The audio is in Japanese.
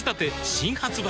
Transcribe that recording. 新発売